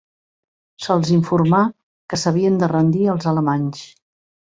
Se'ls informà que s'havien de rendir als alemanys.